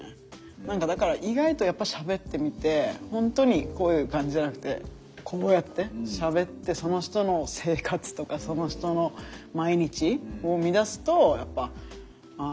何かだから意外とやっぱしゃべってみて本当にこういう感じじゃなくてこうやってしゃべってその人の生活とかその人の毎日を見だすとやっぱあ